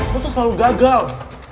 lo tuh selalu gagal